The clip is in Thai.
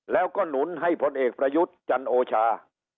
แล้วก็หนุนให้พลเอกประยุทธ์จันโอชา